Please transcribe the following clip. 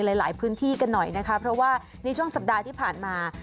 ในหลายพื้นที่กันหน่อยนะครับเพราะว่านี้ช่วงศักดาที่ผ่านมา